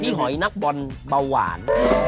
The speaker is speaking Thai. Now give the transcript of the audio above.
หอยนักบอลเบาหวาน